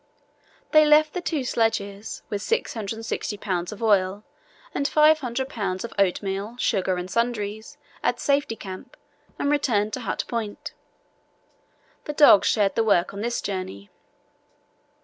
They left the two sledges, with 660 lbs. of oil and 500 lbs. of oatmeal, sugar, and sundries, at Safety Camp and returned to Hut Point. The dogs shared the work on this journey.